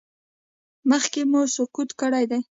مخکې مو سقط کړی دی؟